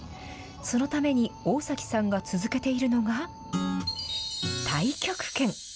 そのために大崎さんが続けているのが、太極拳。